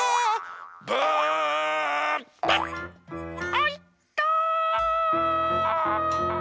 あいった。